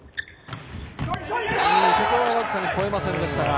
ここはわずかに越えませんでしたが。